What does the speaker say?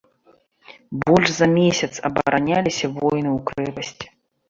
Больш за месяц абараняліся воіны ў крэпасці.